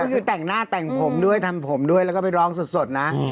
ก็คือแต่งหน้าแต่งผมด้วยทำผมด้วยแล้วก็ไปร้องสดนะ